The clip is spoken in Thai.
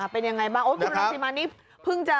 เป็นอย่างไรบ้างคุณรังซีมันนี่เพิ่งจะ